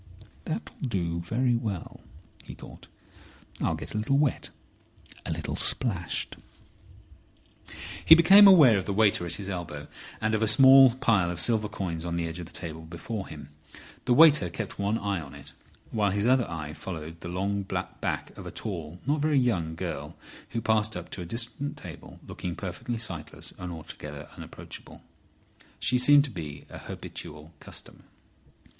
"That'll do very well," he thought. "I'll get a little wet, a little splashed—" He became aware of the waiter at his elbow and of a small pile of silver coins on the edge of the table before him. The waiter kept one eye on it, while his other eye followed the long back of a tall, not very young girl, who passed up to a distant table looking perfectly sightless and altogether unapproachable. She seemed to be a habitual customer.